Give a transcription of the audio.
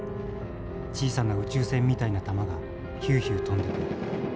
小さな宇宙船みたいな弾がヒューヒュー飛んでくる。